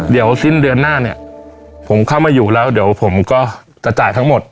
เดี๋ยวสิ้นเดือนหน้าเนี่ยผมเข้ามาอยู่แล้วเดี๋ยวผมก็จะจ่ายทั้งหมด